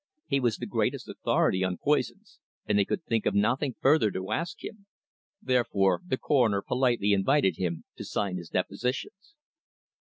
He was the greatest authority on poisons, and they could think of nothing further to ask him. Therefore the Coroner politely invited him to sign his depositions.